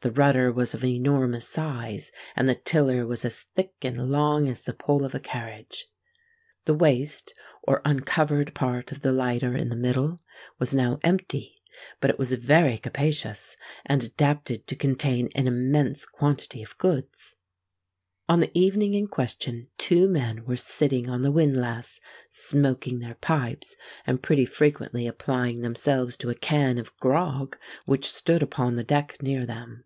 The rudder was of enormous size; and the tiller was as thick and long as the pole of a carriage. The waist, or uncovered part of the lighter in the middle, was now empty; but it was very capacious, and adapted to contain an immense quantity of goods. On the evening in question two men were sitting on the windlass, smoking their pipes, and pretty frequently applying themselves to a can of grog which stood upon the deck near them.